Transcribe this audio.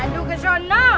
aduh ke sana